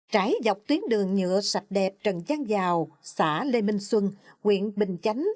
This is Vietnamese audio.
trái dọc tuyến đường nhựa sạch đẹp trần giang giao xã lê minh xuân quyện bình chánh